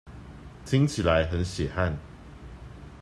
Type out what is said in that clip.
聽起來很血汗